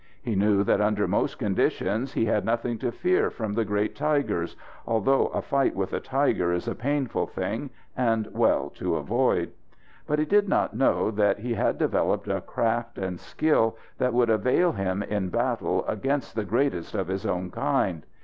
He knew that under most conditions he had nothing to fear from the great tigers, although a fight with a tiger is a painful thing and well to avoid. But he did not know that he had developed a craft and skill that would avail him in battle against the greatest of his own kind.